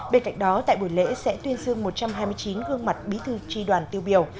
bên cạnh đó tại buổi lễ sẽ tuyên dương một trăm hai mươi chín gương mặt bí thư tri đoàn tiêu biểu